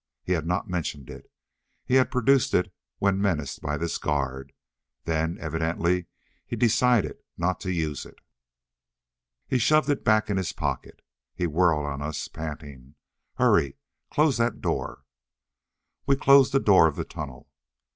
He had not mentioned it. He had produced it, when menaced by this guard. Then he evidently decided not to use it. He shoved it back in his pocket. He whirled on us, panting. "Hurry! Close that door!" We closed the door of the tunnel.